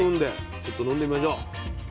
ちょっと飲んでみましょう。